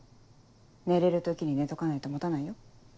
寝れる時に寝とかないと持たないよ。